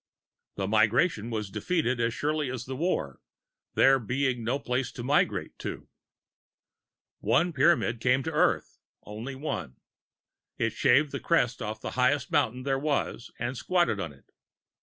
The migration was defeated as surely as the war, there being no place to migrate to. One Pyramid came to Earth, only one. It shaved the crest off the highest mountain there was and squatted on it.